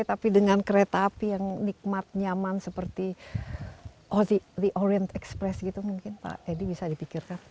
tapi dengan kereta api yang nikmat nyaman seperti the oriend express gitu mungkin pak edi bisa dipikirkan